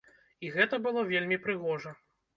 І гэта было вельмі прыгожа.